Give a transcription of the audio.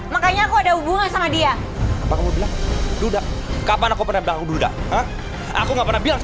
makanya aku destek complacice